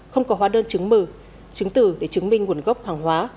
không có hóa đơn chứng mừ chứng tử để chứng minh nguồn gốc hàng hóa